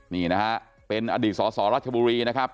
นี่นะฮะเป็นอดีตสสรัชบุรีนะครับ